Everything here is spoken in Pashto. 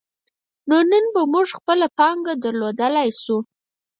نو نن به موږ خپله پانګه درلودلای شو.